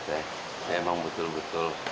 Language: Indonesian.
saya memang betul betul